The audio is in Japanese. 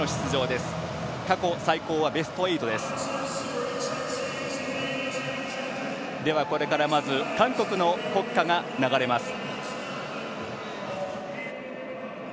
では、これからまず韓国の国歌が流れます。